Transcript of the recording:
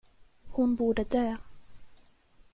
Hon borde dö.